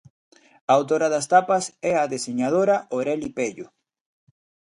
A autora das tapas é a deseñadora Oreli Pello.